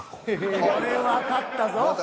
これは勝ったぞ。